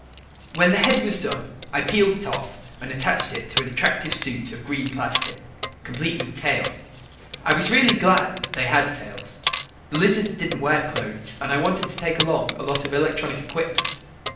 When the head was done, I peeled it off and attached it to an attractive suit of green plastic, complete with tail. I was really glad they had tails. The lizards didn't wear clothes and I wanted to take along a lot of electronic equipment.